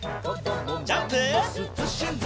ジャンプ！